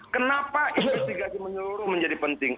kenapa investigasi menyeluruh menjadi penting